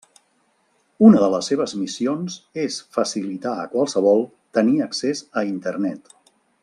Una de les seves missions és facilitar a qualsevol tenir accés a Internet.